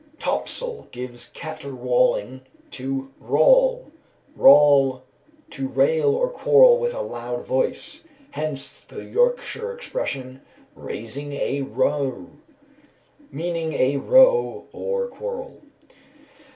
Topsel gives catwralling, to "wrall;" "wrawl," to rail or quarrel with a loud voice; hence the Yorkshire expression, "raising a wrow," meaning a row or quarrel.